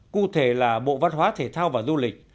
cụ thể là bộ văn hóa thể thao và du lịch